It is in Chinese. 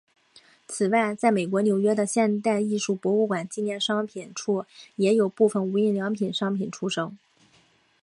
此外在美国纽约的现代艺术博物馆纪念商品处也有部份无印良品商品出售。